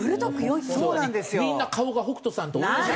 みんな顔が北斗さんと同じ。